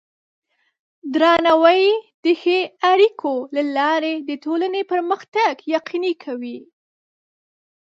درناوی د ښو اړیکو له لارې د ټولنې پرمختګ یقیني کوي.